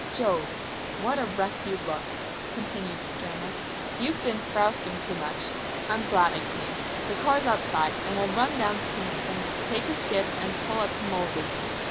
"Jove! What a wreck you look!" continued Stranack. "You've been frousting too much. I'm glad I came. The car's outside, and we'll run down to Kingston, take a skiff and pull up to Molesey."